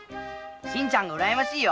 真ちゃんがうらやましいよ。